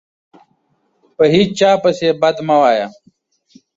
په هیچا پسي بد مه وایه